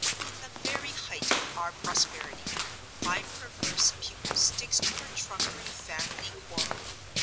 In the very height of our prosperity my perverse pupil sticks to her trumpery family quarrel.